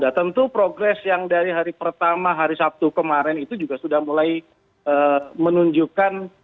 dan tentu progres yang dari hari pertama hari sabtu kemarin itu juga sudah mulai menunjukkan